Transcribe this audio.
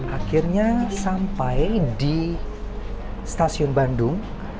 akhirnya sampai di stasiun bandung